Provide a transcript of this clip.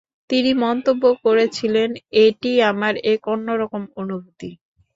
তিনি মন্তব্য করেছিলেন'এটি আমার এক অন্যরকম অনুভূতি'।